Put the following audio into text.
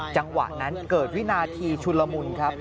จังหวะนั้นเกิดวินาทีชุลมุน